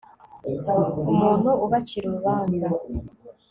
umuntu ubacira urubanza